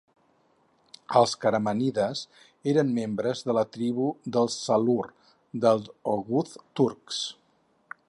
Els Karamanides eren membres de la tribu dels Salur dels oghuz turcs.